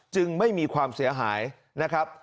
จึงไม่มีความเสียหายนะครับ